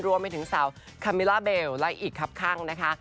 รวมไปถึงสาวคามิล่าเบลและอีกครับข้างนะคะ